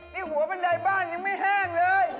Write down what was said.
นิ้วหัวเข้าไปแทนบ้านยังไม่แห้งเลย